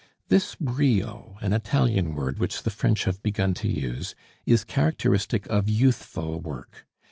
This brio, an Italian word which the French have begun to use, is characteristic of youthful work.